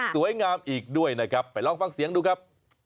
สวยงามอีกด้วยนะครับไปลองฟังเสียงดูครับ